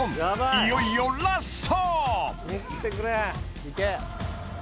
いよいよラスト！